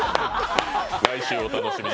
来週、お楽しみに。